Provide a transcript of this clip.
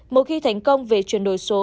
một khi thành công về chuyển đổi số